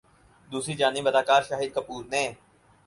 دوسری جانب اداکار شاہد کپور نے